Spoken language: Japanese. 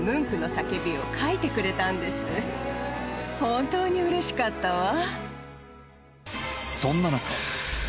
本当にうれしかったわ。